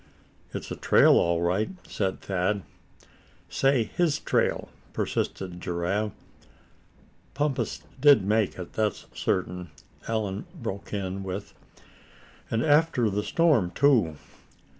"It's a trail, all right," said Thad. "Say his trail," persisted Giraffe. "Bumpus did make it, that's certain," Allan broke in with. "And after the storm, too?"